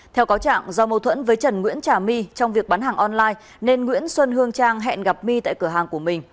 theo cáo trạng do mâu thuẫn với trần nguyễn trà my trong việc bán hàng online nên nguyễn xuân hương trang hẹn gặp my tại cửa hàng của mình